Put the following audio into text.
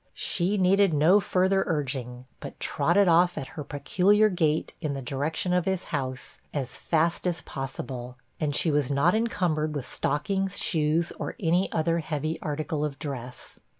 She needed no further urging, but trotted off at her peculiar gait in the direction of his house, as fast as possible, and she was not encumbered with stockings, shoes, or any other heavy article of dress.